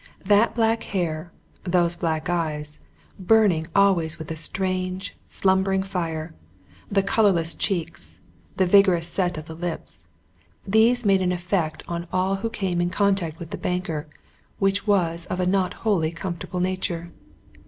That black hair, those black eyes, burning always with a strange, slumbering fire, the colourless cheeks, the vigorous set of the lips, these made an effect on all who came in contact with the banker which was of a not wholly comfortable nature.